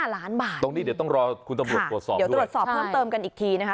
๑๕ล้านบาทเดี๋ยวต้องรอคุณตำรวจโดยตรวจสอบเพิ่มเติมกันอีกทีนะคะ